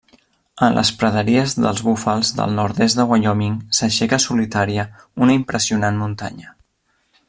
En les praderies dels búfals del nord-est de Wyoming s'aixeca solitària una impressionant muntanya.